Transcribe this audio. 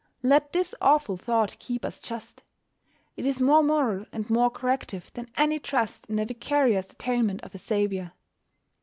Let this awful thought keep us just. It is more moral and more corrective than any trust in the vicarious atonement of a Saviour.